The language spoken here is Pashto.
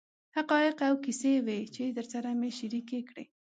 حقایق او کیسې وې چې درسره مې شریکې کړې.